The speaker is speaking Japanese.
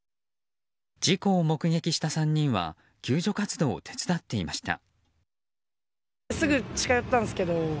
事故を目撃した３人は救助活動を手伝っていました。